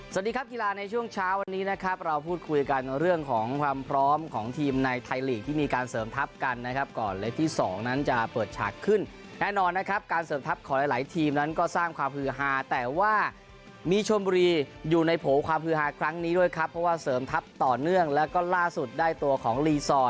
สวัสดีครับกีฬาในช่วงเช้าวันนี้นะครับเราพูดคุยกันเรื่องของความพร้อมของทีมในไทยลีกที่มีการเสริมทัพกันนะครับก่อนเล็กที่สองนั้นจะเปิดฉากขึ้นแน่นอนนะครับการเสริมทัพของหลายหลายทีมนั้นก็สร้างความฮือฮาแต่ว่ามีชมบุรีอยู่ในโผล่ความฮือฮาครั้งนี้ด้วยครับเพราะว่าเสริมทัพต่อเนื่องแล้วก็ล่าสุดได้ตัวของรีซอร์